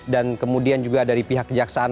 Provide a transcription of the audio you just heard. dan kemudian juga dari pihak kejaksaan